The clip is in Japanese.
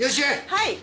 はい。